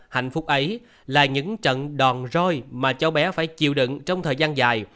hạnh phúc ấy là những trận đòn roi mà cháu bé phải chịu đựng trong thời gian dài